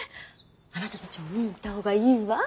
あなたたちも見に行った方がいいわ。